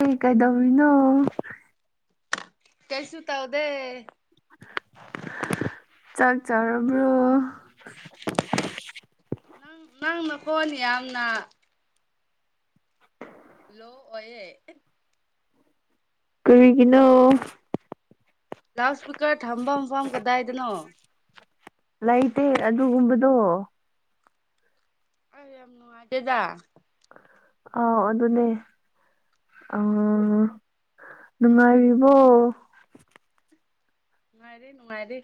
ꯑꯩ ꯀꯩꯗꯧꯔꯤꯅꯣ ꯀꯩꯁꯨ ꯇꯧꯗꯦ ꯆꯥꯛ ꯆꯥꯔꯕ꯭ꯔꯣ ꯅꯪ ꯅꯪ ꯅꯀꯣꯟ ꯌꯥꯝꯅ [inaudible] ꯂꯣ ꯑꯣꯏꯌꯦ ꯀꯔꯤꯒꯤꯅꯣ ꯂꯥꯎꯠ ꯁ꯭ꯄꯤꯀꯔ ꯊꯝꯕ ꯃꯐꯝ ꯀꯗꯥꯏꯗꯅꯣ ꯂꯩꯇꯦ ꯑꯗꯨꯒꯨꯝꯕꯗꯣ ꯑꯩ ꯌꯥꯝ ꯅꯨꯉꯥꯏꯇꯦꯗ ꯑꯥꯎ ꯑꯗꯨꯅꯦ ꯑꯥ ꯅꯨꯡꯉꯥꯏꯔꯤꯕꯣ ꯅꯨꯡꯉꯥꯏꯔꯤ ꯅꯨꯡꯉꯥꯏꯔꯤ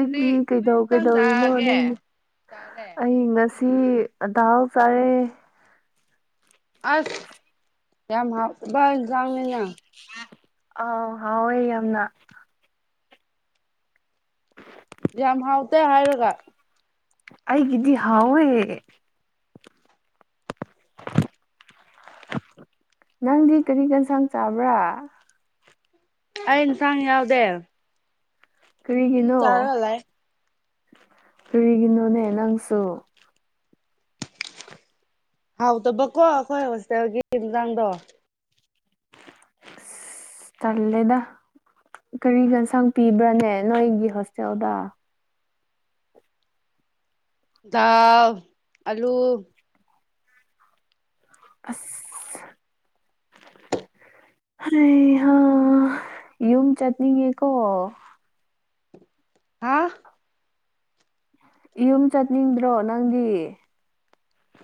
ꯀꯔꯤ ꯀꯔꯤ ꯀꯩꯗꯧ ꯏꯟꯁꯥꯡ ꯀꯩꯗꯧꯔꯤꯅꯣ ꯆꯥꯒꯦ ꯅꯪ ꯆꯥꯔꯦ ꯑꯩ ꯉꯁꯤ ꯁꯤ ꯑꯗꯥꯎ ꯆꯥꯔꯦ ꯑꯁ ꯌꯥꯝ ꯍꯥꯎꯈ꯭ꯔꯕ ꯢꯟꯖꯥꯡꯅꯤꯅꯦ ꯑꯥꯎ ꯍꯥꯎꯌꯦ ꯌꯥꯝꯅ ꯇꯦ ꯍꯥꯏꯔꯒ ꯑꯩꯒꯤꯗꯤ ꯍꯥꯎꯋꯦ ꯅꯪꯗꯤ ꯀꯔꯤ ꯍꯦꯟꯁꯥꯡ ꯆꯥꯕ꯭ꯔ ꯑꯩ ꯏꯟꯁꯥꯡ ꯌꯥꯎꯗꯦ ꯃꯤꯃꯤ ꯀꯔꯤꯒꯤꯅꯣ ꯆꯥꯔ ꯂꯩ ꯀꯔꯤꯒꯤꯅꯣꯅꯦ ꯅꯪꯁꯨ ꯍꯥꯎꯇꯕꯀꯣ ꯑꯈꯣꯏ ꯍꯣꯁꯇꯦꯜꯒꯤ ꯏꯟꯖꯥꯡꯗꯣ ꯑꯁ ꯇꯜꯂꯦꯗ ꯀꯔꯤꯒꯤ ꯍꯦꯟꯁꯥꯡ ꯄꯤꯕ꯭ꯔꯅꯦ ꯅꯣꯏꯒꯤ ꯍꯣꯁꯇꯦꯜꯗ ꯊꯎ ꯑꯂꯨ ꯑꯁ ꯑ ꯍꯥ ꯌꯨꯝ ꯆꯠꯅꯤꯡꯦ ꯀꯣ ꯑ ꯌꯨꯝ ꯆꯠꯅꯤꯡꯗ꯭ꯔꯣ ꯅꯪꯗꯤ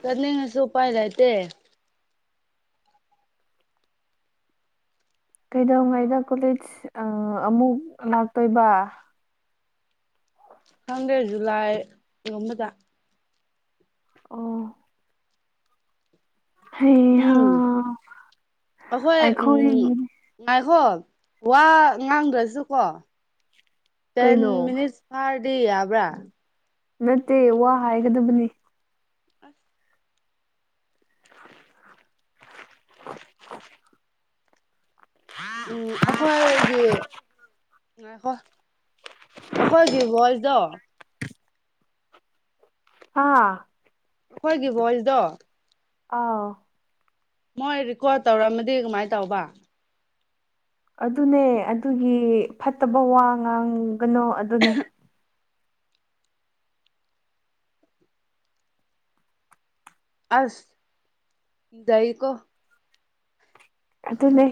ꯆꯠꯅꯤꯡꯉꯁꯨ ꯎꯄꯥꯏ ꯂꯩꯥꯇꯦ ꯀꯩꯗꯧꯉꯩꯗ ꯀꯣꯂꯦꯖ ꯑꯃꯨꯛ ꯂꯥꯛꯇꯣꯏꯕ ꯈꯪꯗ꯭ꯔꯦ ꯖꯨꯂꯥꯏꯒꯨꯝꯕꯗ ꯑꯣ ꯍꯩ ꯍꯥ ꯎꯝ ꯑꯩꯈꯣꯏ ꯎꯝ ꯉꯥꯏꯈꯣ ꯋꯥ ꯉꯥꯡꯗ꯭ꯔꯁꯨ ꯀꯣ ꯇꯦꯟ ꯀꯩꯅꯣ ꯃꯠ ꯐꯔ ꯗꯤ ꯌꯥꯕ꯭ꯔꯥ ꯅꯠꯇꯦ ꯋꯥ ꯍꯥꯏꯒꯗꯕꯅꯤ [unintelligible] ꯎꯝ ꯑꯩꯈꯣꯏꯒꯤ ꯑꯩꯈꯣꯏꯒꯤ ꯚꯣꯏꯁꯗꯣ ꯍꯥꯥ ꯑꯩꯈꯣꯏꯒꯤ ꯒꯣꯜꯗꯣ ꯑꯥꯎ ꯃꯣꯏ ꯦꯀꯣꯔꯠ ꯇꯧꯔꯝꯃꯗꯤ ꯀꯃꯥꯏꯅ ꯇꯧꯕ ꯑꯗꯨꯅꯦ ꯑꯗꯨꯒꯤ ꯐꯠꯇꯕ ꯋꯥ ꯉꯥꯡ ꯀꯅꯣ ꯑꯗꯨꯅꯦ ꯑꯁ ꯗꯩꯩꯀꯣ ꯑꯗꯨꯅꯦ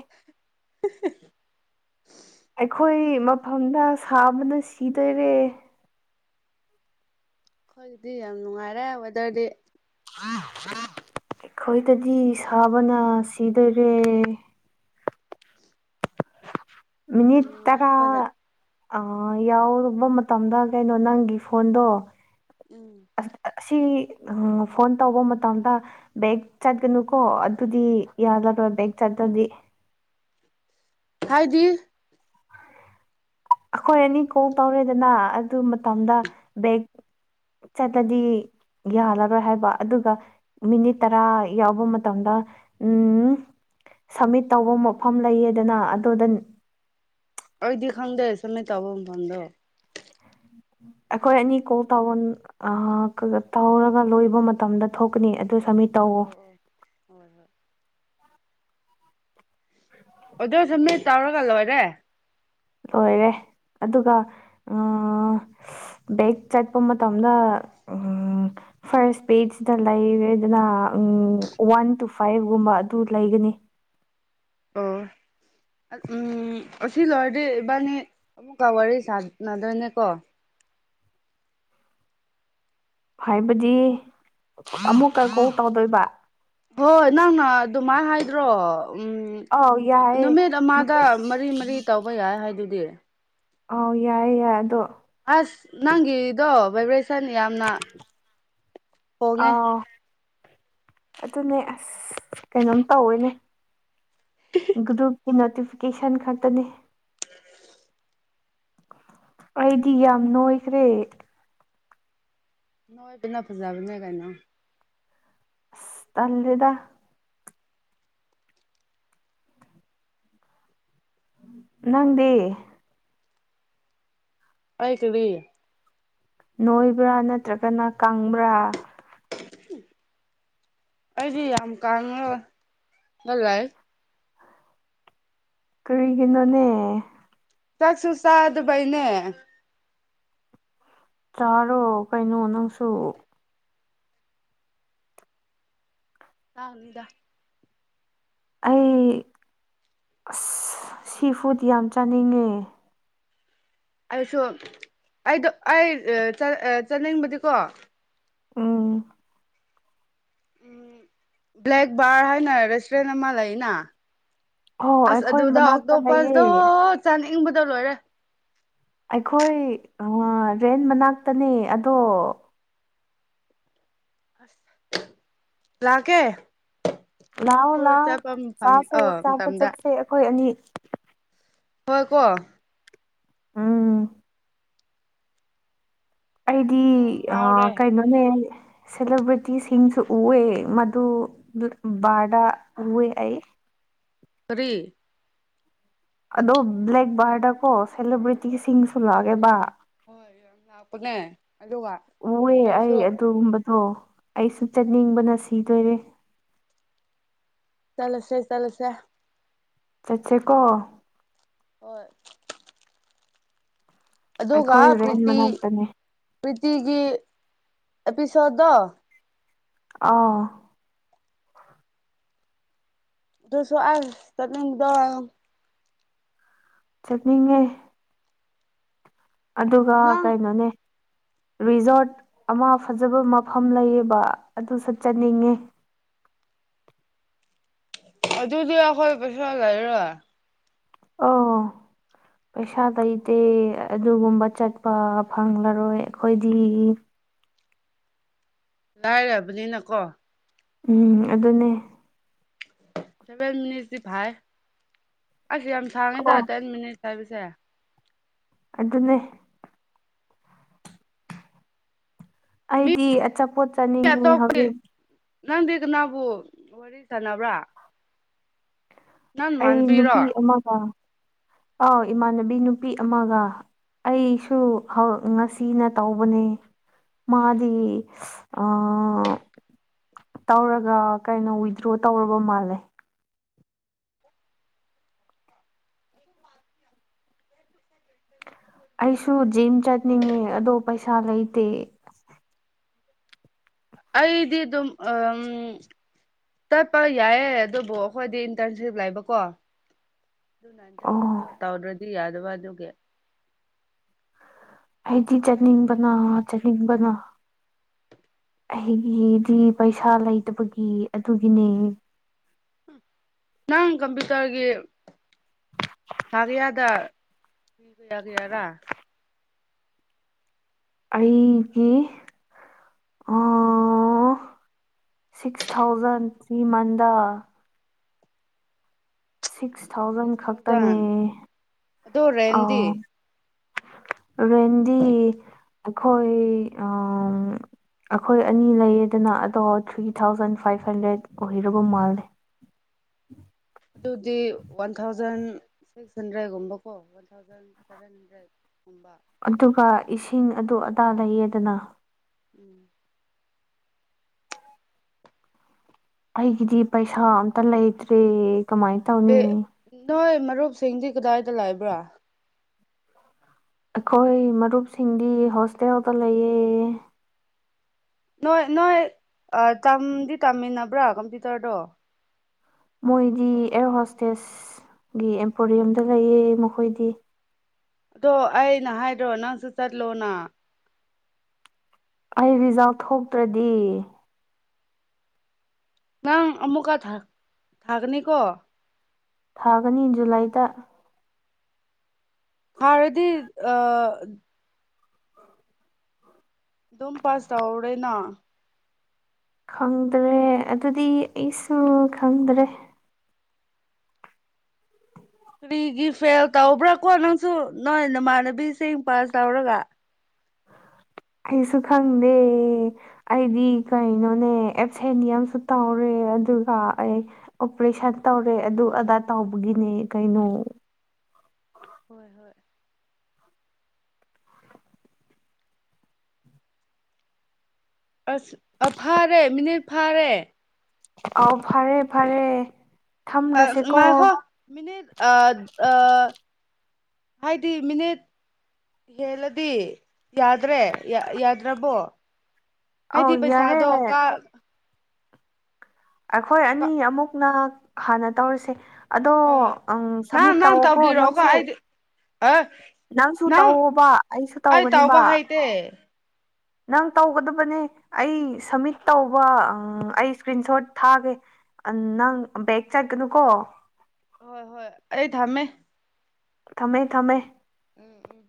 [unintelligible] ꯑꯩꯈꯣꯏ ꯃꯐꯝꯗ ꯁꯥꯕꯅ ꯁꯤꯗꯣꯏꯔꯦ ꯑꯩꯈꯣꯏꯒꯤꯗꯤ ꯌꯥꯝ ꯅꯨꯡꯉꯥꯏꯔꯦ ꯋꯦꯗꯔꯗꯤ ꯑꯩꯈꯣꯏꯗꯗꯤ ꯁꯥꯕꯅ ꯁꯤꯗꯣꯏꯔꯦ ꯌꯥꯝ ꯃꯤꯅꯤꯠ ꯅꯨꯡꯉꯥꯏ ꯇꯔꯥ ꯑꯩꯈꯣꯏꯗ ꯑ ꯌꯥꯎꯔꯨꯕ ꯃꯇꯝꯗ ꯀꯩꯅꯣ ꯅꯪꯒꯤ ꯐꯣꯟꯗꯣ ꯎꯝ ꯑꯁꯤ ꯁꯤ ꯎꯝ ꯐꯣꯟ ꯇꯧꯕ ꯃꯇꯝꯗ ꯕꯦꯛ ꯆꯠꯀꯅꯨꯀꯣ ꯑꯗꯨꯗꯤ ꯌꯥꯔꯔꯣꯏ ꯕꯦꯒ ꯆꯠꯇ꯭ꯔꯗꯤ ꯍꯥꯏꯗꯤ ꯑꯩꯈꯣꯏ ꯑꯅꯤ ꯀꯣꯜ ꯇꯧꯔꯦꯗꯅ ꯃꯇꯝꯗ ꯎꯝ ꯕꯦꯛ ꯆꯠꯂꯗꯤ ꯌꯥꯂꯔꯣꯏ ꯍꯥꯏꯕ ꯑꯗꯨꯒ ꯃꯤꯅꯤꯠ ꯇꯔꯥ ꯌꯥꯎꯕ ꯃꯇꯝꯗ ꯎꯝ ꯁꯝꯃꯤꯠ ꯇꯧꯕ ꯃꯐꯝ ꯂꯩꯌꯦꯗꯅ ꯑꯗꯨꯗ ꯑꯩꯗꯤ ꯈꯪꯗꯦ ꯁꯥꯃꯤꯠ ꯇꯧꯕ ꯃꯇꯝꯗꯣ ꯑꯩꯈꯣꯏ ꯑꯅꯤ ꯀꯣꯜ ꯇ ꯇꯧꯔꯒ ꯂꯣꯏꯕ ꯃꯇꯝꯗ ꯊꯣꯛꯀꯅꯤ ꯑꯗꯨ ꯁꯃꯤ ꯑꯣ ꯑꯣ ꯍꯣꯏ ꯍꯣꯏ ꯑꯣꯗꯣꯏꯁꯨ ꯃꯤ ꯇꯧꯔꯒꯥ ꯂꯣꯏꯔꯦ ꯂꯣꯏꯔꯦ ꯑꯗꯨꯒ ꯕꯦꯛ ꯆꯠꯄ ꯃꯇꯝꯗ ꯐꯥꯔꯁ ꯄꯦꯖꯇ ꯂꯩꯔꯦꯗꯅ ꯋꯥꯟ ꯇꯨ ꯐꯥꯏꯚꯒꯨꯝꯕ ꯑꯗꯨ ꯂꯩꯒꯅꯤ ꯑꯣ ꯎꯝ ꯑꯁꯤ ꯂꯣꯏꯔꯗꯤ ꯏꯕꯥꯅꯤ ꯑꯃꯨꯛꯀ ꯋꯥꯔꯤ ꯁꯥꯟꯅꯗꯣꯏꯅꯦꯀꯣ ꯍꯥꯏꯕꯗꯤ ꯑꯃꯨꯛꯀ ꯀꯣ ꯇꯧꯗꯣꯏꯕ ꯍꯣꯏ ꯅꯪꯅ ꯑꯗꯨꯃꯥꯏꯅ ꯍꯥꯏꯗ꯭ꯔꯣ ꯎꯝ ꯑꯥꯎ ꯌꯥꯏꯌꯦ ꯅꯨꯃꯤꯠ ꯑꯃꯗ ꯃꯔꯤ ꯃꯔꯤ ꯇꯧꯕ ꯌꯥꯏ ꯍꯥꯏꯗꯨꯗꯤ ꯑ ꯌꯥꯏꯌꯦ ꯌꯥꯏꯦ ꯑꯗꯣ ꯑꯁ ꯅꯪꯒꯤ ꯏꯔꯤꯗꫭ ꯕꯕ꯭ꯔꯁ ꯁꯟ ꯌꯥꯝꯅ ꯍꯣꯡꯉꯦ ꯑꯥꯎ ꯑꯗꯨꯅꯦ ꯑꯁ ꯀꯩꯅꯣꯝ ꯇꯧꯋꯦꯅꯦ ꯒ꯭ꯔꯨꯞꯨꯞꯀꯤ ꯅꯣꯇꯤꯐꯤꯀꯦꯁꯟ ꯈꯛꯇꯅꯦ ꯑꯩꯗꯤ ꯌꯥꯝ ꯅꯣꯏꯈ꯭ꯔꯦ ꯅꯣꯏꯕꯅꯥ ꯐꯖꯥꯕꯅ ꯀꯩꯏꯅꫭ ꯑꯁ ꯇꯜꯗ ꯅꯪꯗꯦ ꯑꯩꯥꯏ ꯀꯕꯤ ꯅꯣꯏꯕ꯭ꯔꯥ ꯅꯠꯇ꯭ꯔꯒꯅ ꯀꯪꯕ꯭ꯔꯥ ꯑꯩꯗꯤ ꯌꯥꯝ ꯀꯥꯟꯅꯕ ꯂꯏ ꯀꯔꯤꯒ ꯅꯣꯅꯦ ꯆꯥꯛꯁꯨ ꯁꯥ ꯑꯗꯨꯕꯩꯅꯦ ꯆꯥꯔꯣ ꯀꯩꯅꯣ ꯅꯪꯁꯨ ꯑꯅꯤꯗ ꯑꯩ ꯑꯁ ꯁꯤ ꯐꯨꯗ ꯌꯥꯝ ꯆꯥꯅꯤꯡꯉꯦ ꯑꯩꯁꯨ ꯑꯩꯗꯣ ꯑꯩ ꯆꯠꯅꯤꯡꯕꯗꯤꯀꯣ ꯎꯝ ꯎꯝ ꯕ꯭ꯂꯦꯛ ꯕꯥꯔ ꯍꯥꯏꯅ ꯔꯦꯁꯇꯨꯔꯦꯟ ꯑꯃ ꯂꯩꯅ ꯍꯣ ꯑꯁ ꯑꯩꯈꯣꯏ ꯑꯗꯨꯗ ꯃꯅꯥꯛꯇ ꯑꯇꯣꯞ ꯄꯁꯗꯣ ꯂꯩꯌꯦ ꯆꯥꯅꯤꯡꯏꯕꯗ ꯂꯣꯏꯔꯦ ꯑꯩꯈꯣꯏ ꯔꯦꯟ ꯃꯅꯥꯛꯇꯅꯦ ꯑꯗꯣ ꯂꯥꯛ ꯀꯦ ꯂꯥꯛꯑꯣ ꯂꯥꯛꯑꯣ ꯆꯥꯁꯦ ꯑ ꯆꯥꯕ ꯃꯇꯝꯗ ꯆꯠꯁꯦ ꯑꯩꯈꯣꯏ ꯑꯅꯤ ꯍꯣꯏ ꯀꯣ ꯎꯝ ꯑꯩꯗꯤ ꯆꯥꯅꯤꯡꯕꯗꯣ ꯑꯥ ꯉꯥꯎꯔꯦ ꯀꯩꯅꯣꯅꯦ ꯁꯦꯂꯦꯕ꯭ꯔꯤꯇꯤꯁꯤꯡꯁꯨ ꯎꯑꯦ ꯃꯗꯨ ꯕꯥꯔꯗ ꯎꯑꯦ ꯑꯩ ꯐ꯭ꯔꯤ ꯑꯗꯣ ꯕ꯭ꯂꯦꯛꯕꯥꯔꯗꯀꯣ ꯁꯦꯂꯦꯕ꯭ꯔꯤꯇꯤꯁꯤꯡ ꯁꯂꯛꯑꯒꯦꯕ ꯍꯣꯏ ꯌꯥꯝ ꯂꯥꯛꯄꯅꯦ ꯑꯗꯨꯒ ꯑꯗꫭꯔꯁꯨ ꯑꯣ ꯑꯩꯁꯨ ꯆꯠꯅꯤꯡꯕꯅ ꯁꯤꯗꯣꯏꯔꯦ ꯇꯂꯁꯦ ꯇꯂꯁꯦ ꯆ ꯆꯦꯀꯣ ꯍꯣꯏ ꯑꯗꯨꯒꯒ ꯑꯩꯈꯣꯏ ꯔꯦꯟ ꯄꯔꯤꯇ ꯃꯅꯥꯛꯇꯅꯦ ꯄ꯭ꯔꯤꯇꯤꯒꯤ ꯑꯦꯄꯤꯁꯣꯗꯣ ꯑꯥ ꯑꯗꯨꯁꯨ ꯑ ꯇꯗ ꯆꯠꯅꯤꯡꯉ‌ꯦꯏ ꯑꯗꯨꯒ ꯅꯪ ꯀꯩꯅꯣꯅꯦ ꯔꯤꯖꯣꯔꯠ ꯑꯃ ꯐꯖꯕ ꯃꯐꯝ ꯂꯩꯌꯦꯕ ꯑꯗꯨ ꯆꯠꯆꯅꯤꯡꯉꯦ ꯑꯗꯨꯗꯤ ꯑꯩꯈꯣꯏ ꯄꯩꯁꯥ ꯂꯩꯔ ꯑꯣ ꯄꯩꯁꯥ ꯇꯩꯇꯦ ꯑꯗꯨꯒꯨꯝꯕ ꯆꯠꯄ ꯐꯪꯂꯔꯣꯏ ꯑꯩꯈꯣꯏꯗꯤ ꯂꯥꯏꯔꯕꯅꯤꯅꯀꯣ ꯎꯝ ꯑꯗꯨꯅꯦ ꯚ ꯃꯤ ꯐꯥꯏ ꯑꯁ ꯌꯥꯝ ꯑꯣ ꯁꯥꯡꯉꯦꯗ ꯇꯦꯟꯃꯤꯅꯤꯠ ꯇ ꯄꯁꯦ ꯑꯗꯨꯅꯦ ꯃꯤ ꯑꯩꯗꯤ ꯑꯆꯥ ꯄꯣꯠ ꯆꯅꯤꯡꯉꯦ ꯑꯇꯣꯞꯄꯗꯤ ꯍꯧꯖꯤꯛ ꯅꯪꯗꯤ ꯀꯅꯥꯕꯨ ꯋꯥꯔꯤ ꯁꯥꯟꯅꯕ꯭ꯔꯥ ꯅꯪ ꯑꯩ ꯅꯃꯥꯟꯅꯕꯤꯔꯣ ꯅꯨꯄꯤ ꯑꯃꯒ ꯑꯥꯎ ꯏꯃꯥꯟꯅꯕꯤ ꯅꯨꯄꯤ ꯑꯃꯒ ꯑꯩꯁꯨ ꯉꯁꯤꯅ ꯇꯧꯕꯅꯦ ꯃꯥꯗꯤ ꯇꯧꯔꯒ ꯀꯩꯅꯣ ꯋꯤꯗ꯭ꯔꯣ ꯇꯧꯔꯕ ꯃꯥꯜꯂꯦ ꯑꯩꯁꯨ ꯖꯤꯝ ꯆꯠꯅꯤꯡꯉꯦ ꯑꯗꯣ ꯄꯩꯁꯥ ꯂꯩꯇꯦ ꯑꯩꯗꯤ ꯑꯗꯨꯝ ꯇꯠꯄ ꯌꯥꯏꯌꯦ ꯑꯗꯨꯕꯨ ꯑꯩꯈꯣꯏꯗꯤ ꯏꯟꯇꯔꯟꯁꯤꯞ ꯂꯩꯕꯀꯣ ꯑꯗꯨ ꯑꯣ [unintelligible] ꯇꯧꯗꯗꯤ ꯌꯥ ꯍꯋꯥꯗꯒ ꯑꯩꯗꯤ ꯆꯠꯅꯤꯡꯕꯅ ꯆꯠꯅꯤꯡꯕꯅ ꯑꯩꯒꯤꯗꯤ ꯄꯩꯁꯥ ꯂꯩꯇꯕꯒꯤ ꯑꯗꯨꯒꯤꯅꯦ ꯅꯪ ꯀꯝꯄ꯭ꯌꯨꯇꯔꯒꯤ ꯊꯥꯒꯌꯥꯗ ꯄꯕ ꯌꯥꯒꯌꯥꯔꯥ ꯑꯩꯒꯤ ꯁꯤꯛꯁ ꯊꯥꯎꯖꯟ ꯁꯤ ꯃꯟꯗ ꯁꯤꯛꯁ ꯊꯥꯎꯖꯟ ꯁꯤꯛꯁ ꯈꯛꯇꯅꯦ ꯊꯥꯎꯖꯟ ꯑꯗꯣ ꯔꯦꯟꯗꯤ ꯑꯥꯎ ꯔꯦꯟꯗꯤ ꯑꯩꯈꯣꯏ ꯑꯩꯈꯣꯏ ꯑꯅꯤ ꯂꯩꯌꯦꯗꯅ ꯑꯗꯣ ꯊ꯭ꯔꯤ ꯊꯥꯎꯖꯟ ꯐꯥꯏꯚ ꯍꯟꯗ꯭ꯔꯦꯠ ꯑꯣꯏꯔꯕ ꯃꯥꯜꯂꯦ ꯑꯗꯨꯗꯤ ꯋꯥꯟ ꯊꯥꯎꯖꯟ ꯁꯤꯛꯁ ꯍꯟꯗ꯭ꯔꯦꯗꯀꯨꯝꯕꯀꯣ ꯋꯥꯟ ꯊꯥꯎꯖꯟ ꯁꯚꯦꯟ ꯍꯟꯗ꯭ꯔꯦꯠꯀꯨꯝꯕ ꯑꯗꯨꯒ ꯏꯁꯤꯡ ꯑꯗꯨ ꯑꯗꯥ ꯂꯩꯌꯦꯗꯅ ꯎꯝ ꯑꯩꯒꯤꯗꯤ ꯄꯩꯁꯥ ꯑꯝꯇ ꯂꯩꯇ꯭ꯔꯦ ꯀꯃꯥꯏ ꯇꯧꯅꯤ ꯑꯃꯔꯨꯕꯁꯤꯡꯗꯤ ꯀꯗꯥꯏꯇ ꯂꯥꯏꯕ꯭ꯔꯥ ꯑꯩꯈꯣꯏ ꯃꯔꯨꯞꯁꯤꯡꯗꯤ ꯍꯣꯁꯇꯦꯜꯗ ꯂꯩꯑ ꯅꯣꯏ ꯅꯣꯏ ꯇꯝꯗꯤ ꯇꯝꯃꯤꯟꯅꯕ꯭ꯔꯥ ꯀꯝꯄ꯭ꯌꯨꯇꯔꯗꯣ ꯃꯣꯏꯗꯤ ꯑꯦꯌꯔ ꯍꯣꯁꯇꯦꯁ ꯒꯤ ꯑꯦꯝꯄꯣꯔꯤꯌꯝꯗ ꯂꯩꯌꯦ ꯃꯈꯣꯏꯗꯤ ꯑꯗꯣ ꯑꯩꯅ ꯍꯥꯏꯗ꯭ꯔꯣ ꯅꯪꯁꯨ ꯆꯠꯂꯣꯅ ꯑꯩ ꯔꯤꯖꯥꯕ ꯊꯣꯛꯇ꯭ꯔꯗꯤ ꯅꯪ ꯑꯃꯨꯛꯀ ꯊꯥꯛꯒꯅꯤꯀꯣ ꯊꯥꯒꯅꯤ ꯖꯨꯂꯥꯏꯗ ꯍꯔꯗꯤ ꯑ ꯝ ꯄꯥꯁ ꯇ ꯑꯣꯧꯔꯦꯅꯥ ꯈꯪꯗ꯭ꯔꯦ ꯑꯗꯨꯗꯤ ꯑꯩꯁꯨ ꯈꯪꯗ꯭ꯔꯦ ꯀꯔꯤꯒꯤ ꯐꯦꯜ ꯇꯧꯕ꯭ꯔꯥ ꯀꯣ ꯅꯪꯁꯨ ꯅꯣꯏ ꯅꯃꯥꯟꯅꯕꯤꯁꯤꯡ ꯄꯥꯁ ꯇꯧꯔꯒ ꯑꯩꯁꯨ ꯈꯪꯗꯦ ꯑꯩꯗꯤ ꯀꯩꯅꯣꯅꯦ ꯑꯦꯞꯁꯦꯟꯅꯤꯌꯝꯁꯨ ꯇꯧꯔꯦ ꯑꯗꯨꯒ ꯑꯩ ꯑꯣꯄꯔꯦꯁꯟ ꯇꯧꯔꯦ ꯑꯗꯨ ꯑꯗꯥ ꯇꯧꯕꯒꯤꯅꯦ ꯀꯩꯅꯣ ꯍꯣꯏ ꯍꯣꯏ ꯑꯁ ꯑ ꯐꯥꯔꯦ ꯃꯤꯅꯤꯠ ꯐꯥꯔꯦ ꯑꯥꯎ ꯐꯔꯦ ꯐꯔꯦ ꯊꯝꯂꯁꯦꯀꯣ ꯃꯥꯏꯈꯣ ꯃꯤꯅꯤ ꯍꯥꯏꯗꯤ ꯃꯤꯅꯤꯠ ꯍꯦꯜꯂꯗꯤ ꯌꯥꯗ꯭ꯔꯦ ꯌꯥꯗ꯭ꯔꯕꯣ ꯑꯧ ꯍꯥꯏꯗꯤ ꯌꯥꯔꯦ ꯄꯩꯁꯥꯗꯣ ꯀꯥ ꯑꯩꯈꯣꯏ ꯑꯅꯤ ꯑꯃꯨꯛꯅ ꯍꯥꯟꯅ ꯇꯧꯔꯤꯁꯦ ꯑꯗꯣ ꯍꯣꯏ ꯍꯣꯏ ꯅꯪ ꯁꯝꯃꯤꯠ ꯅꯪ ꯇꯧꯋꯀꯣ ꯇꯧꯕꯤꯔꯛꯑꯣꯀꯣ ꯅꯪꯁꯨ ꯑꯩꯗꯤ ꯑ ꯅꯪꯁꯨ ꯅꯪ ꯇꯧꯕ ꯑꯩꯁꯨ ꯑꯩ ꯇꯧꯒꯅꯤꯕ ꯇꯧꯕ ꯍꯩꯇꯦ ꯅꯪ ꯇꯧꯒꯗꯕꯅꯦ ꯑꯩ ꯁꯝꯃꯤꯠ ꯇꯧꯕ ꯑꯩ ꯏꯁꯀ꯭ꯔꯤꯟ ꯁꯣꯠ ꯊꯥꯒꯦ ꯅꯪ ꯕꯦꯛ ꯆꯠꯀꯅꯨꯀꯣ ꯍꯣꯏ ꯍꯣꯏ ꯑꯩ ꯊꯝꯃꯦ ꯊꯃꯦ ꯊꯃꯦ ꯎꯝ ꯎꯝ